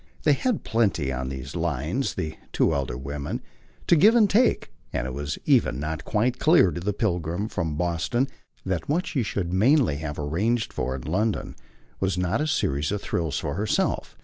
They had plenty, on these lines, the two elder women, to give and to take, and it was even not quite clear to the pilgrim from Boston that what she should mainly have arranged for in London was not a series of thrills for herself.